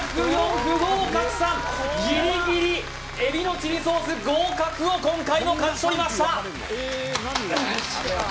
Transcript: ギリギリ海老のチリソース合格を今回も勝ち取りました